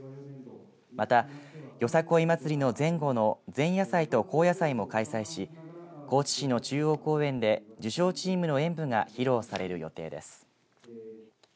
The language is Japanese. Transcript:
またよさこい祭りの前後の前夜祭と後夜祭も開催し高知市の中央公園で受賞チームの演舞が披露される予定です。